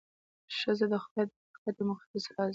ښځه د خدای د خلقت یو مقدس راز دی.